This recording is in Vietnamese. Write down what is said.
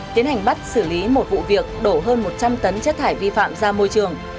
tiến hành bắt xử lý một vụ việc đổ hơn một trăm linh tấn chất thải vi phạm ra môi trường